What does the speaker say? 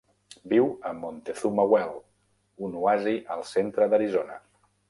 Viu a Montezuma Well, un oasi al centre d'Arizona.